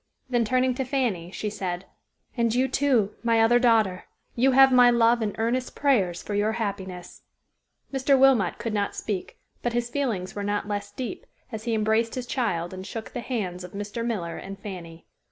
Then turning to Fanny, she said, "And you, too, my other daughter, you have my love and earnest prayers for your happiness." Mr. Wilmot could not speak, but his feelings were not less deep, as he embraced his child and shook the hands of Mr. Miller and Fanny.